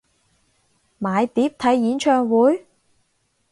買碟睇演唱會？